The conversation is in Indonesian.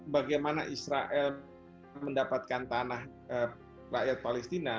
bagaimana israel mendapatkan tanah rakyat palestina